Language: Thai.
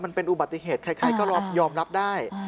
มันเป็นอุบัติเหตุใครก็ยอมรับได้